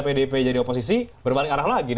pdip jadi oposisi berbalik arah lagi